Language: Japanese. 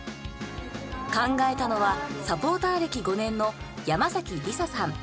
考えたのはサポーター歴５年の山崎莉沙さん。